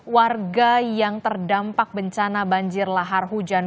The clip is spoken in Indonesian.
warga yang terdampak bencana banjir lahar hujan